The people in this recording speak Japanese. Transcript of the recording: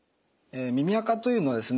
耳あかというのはですね